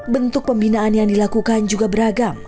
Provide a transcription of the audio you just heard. bentuk pembinaan yang dilakukan juga beragam